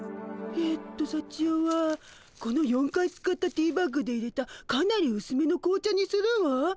えっとさちよはこの４回使ったティーバッグでいれたかなりうすめの紅茶にするわ。